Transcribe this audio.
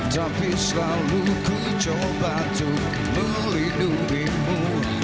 tapi selalu ku coba tuh melindungimu